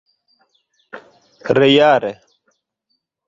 reale